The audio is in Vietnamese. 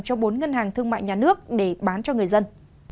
cho bốn ngân hàng thương mại nhà nước để bán cho người dân